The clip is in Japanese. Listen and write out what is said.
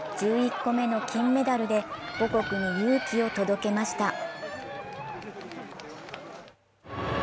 １１個目の金メダルで母国に勇気を届けました。